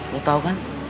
lo tau kan